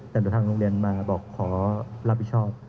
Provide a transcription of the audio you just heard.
แต่เดี๋ยวทางโรงเรียนมาบอกขอรับผิดชอบ